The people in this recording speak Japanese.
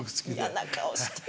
嫌な顔してる。